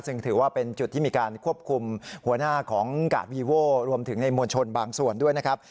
ซึ่งถือว่าเป็นจุดที่มีการควบคุมหัวหน้าของกาดวีโว่รวมถึงในมวลชนบางส่วนด้วยนะครับ